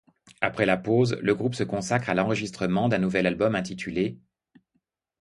Après la pause, le groupe se consacre à l'enregistrement d'un nouvel album intitulé '.